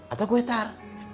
atau kue tar